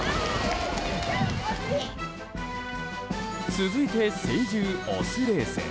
続いて、成獣オスレース。